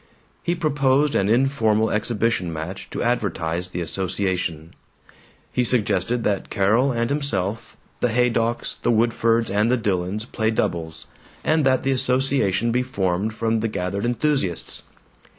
He proposed an informal exhibition match to advertise the association; he suggested that Carol and himself, the Haydocks, the Woodfords, and the Dillons play doubles, and that the association be formed from the gathered enthusiasts.